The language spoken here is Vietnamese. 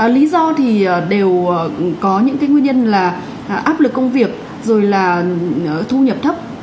lý do thì đều có những cái nguyên nhân là áp lực công việc rồi là thu nhập thấp